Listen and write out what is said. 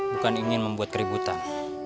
bukan ingin membuat keributan